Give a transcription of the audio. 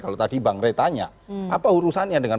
kalau tadi bank rei tanya apa urusannya dengan